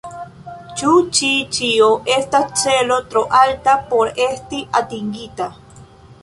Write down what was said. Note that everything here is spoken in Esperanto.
Ĉu ĉi ĉio estas celo tro alta por esti atingita?